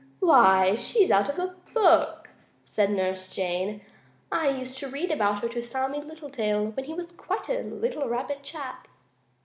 "Why, she's out of a book," said Nurse Jane. "I used to read about her to Sammie Littletail, when he was quite a little rabbit chap."